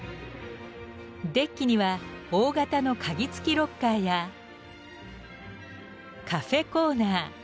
デッキには大型の鍵付きロッカーやカフェコーナー。